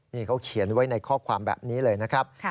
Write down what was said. นี่เขาเขียนไว้ในข้อความแบบนี้เลยนะครับ